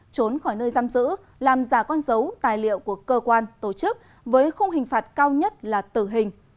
trốn khỏi nơi giam giữ làm giả con dấu tài liệu của cơ quan tổ chức với khung hình phạt cao nhất là tử hình